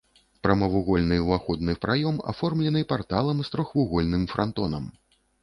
Прамавугольны ўваходны праём аформлены парталам з трохвугольным франтонам.